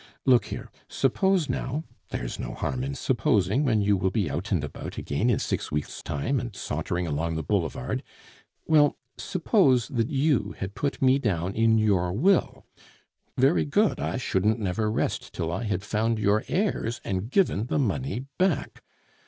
Look here, suppose now (there is no harm in supposing when you will be out and about again in six weeks' time, and sauntering along the boulevard); well, suppose that you had put me down in your will; very good, I shouldn't never rest till I had found your heirs and given the money back.